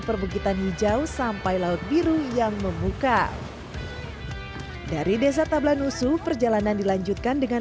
perbukitan hijau sampai laut biru yang memuka dari desa tablanusu perjalanan dilanjutkan dengan